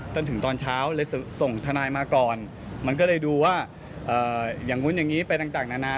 จนถึงตอนเช้าเลยส่งทนายมาก่อนมันก็เลยดูว่าอย่างนู้นอย่างนี้ไปต่างนานา